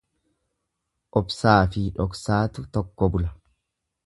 Obsaafi dhoksaatu tokko bula.